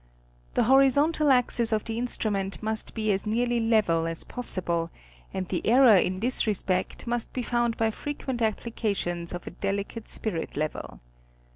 The horizontal axis of the instrument must be as nearly level as possible, and the error in this respect must be found by frequent applications of a delicate spirit level.